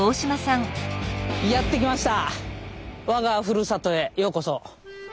やって来ました。